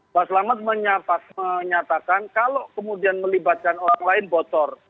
mbak selamat menyatakan kalau kemudian melibatkan orang lain bocor